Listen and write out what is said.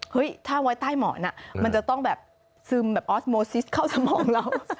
ถ้าไว้ใต้หมอนมันจะต้องแบบซึมแบบออสโมซิสเข้าสมองเรา